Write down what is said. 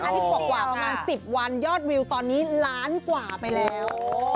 ที่กว่าประมาณ๑๐วันยอดวิวตอนนี้ล้านกว่าไปแล้ว